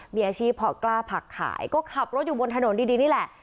มีอาชีพเพาะกล้าผักขายก็ขับรถอยู่บนถนนดีนี่แหละ